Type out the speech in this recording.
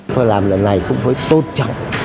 tôi làm lần này cũng với tôn trọng